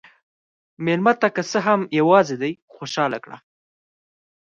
مېلمه ته که څه هم یواځې دی، خوشحال کړه.